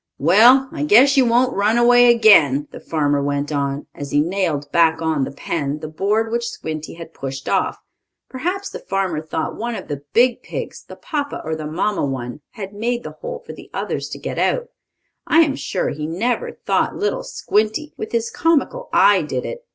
"Well, I guess you won't run away again," the farmer went on, as he nailed back on the pen the board which Squinty had pushed off. Perhaps the farmer thought one of the big pigs the papa or mamma one had made the hole for the others to get out. I am sure he never thought little Squinty, with his comical eye, did it.